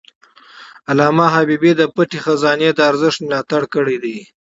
علامه حبيبي د پټه خزانه د ارزښت ملاتړ کړی دی.